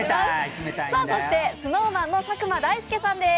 ＳｎｏｗＭａｎの佐久間大介さんです。